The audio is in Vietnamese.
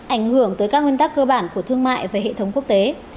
ảnh hưởng tới các nguyên tắc cơ bản của thương mại và hệ thống quốc tế